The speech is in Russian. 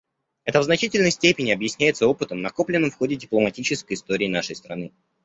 Это в значительной степени объясняется опытом, накопленным в ходе дипломатической истории нашей страны.